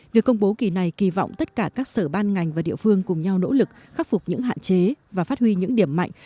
việc công bố kỳ này kỳ vọng tất cả các sở ban ngành và địa phương cùng nhau nỗ lực khắc phục những hạn chế và phát huy những điểm mạnh